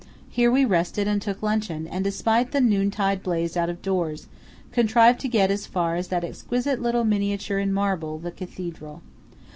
Here we rested and took luncheon, and, despite the noontide blaze out of doors, contrived to get as far as that exquisite little miniature in marble, the Cathedral.